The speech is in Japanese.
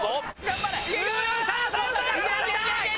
頑張れ！